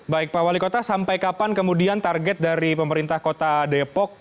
baik pak wali kota sampai kapan kemudian target dari pemerintah kota depok